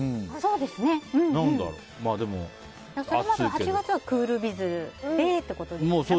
８月はクールビズでってことですかね。